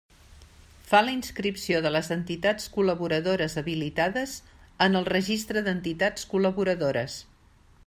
Fa la inscripció de les entitats col·laboradores habilitades en el Registre d'entitats col·laboradores.